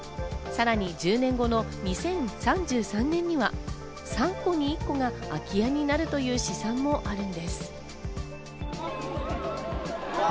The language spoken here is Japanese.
さらに１０年後の２０３３年には、３戸に１戸が空き家になるという試算もあるんです。